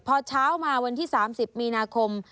พอเช้ามาวันที่๓๐มีนาคม